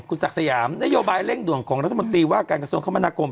คุณศักดิ์สยามนโยบายเร่งด่วนของรัฐมนตรีว่าการกระทรวงคมนาคม